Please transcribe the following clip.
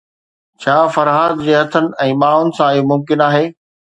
ڇا فرهاد جي هٿن ۽ ٻانهن سان اهو ممڪن آهي؟